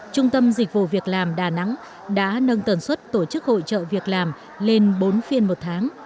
trung tâm dịch vụ việc làm đà nẵng đã nâng tần suất tổ chức hội trợ việc làm lên bốn phiên một tháng